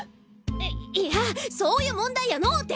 いいやそういう問題やのて。